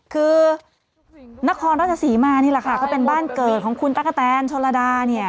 คือนครราชศรีมานี่แหละค่ะก็เป็นบ้านเกิดของคุณตั๊กกะแตนชนระดาเนี่ย